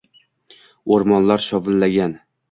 O’rmonlar shovillagan